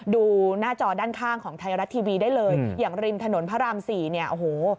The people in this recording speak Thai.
ดูหน้าจอด้านข้างของไทยรัฐทีวีได้เลยอย่างริมถนนพระรามสี่เนี่ยโอ้โห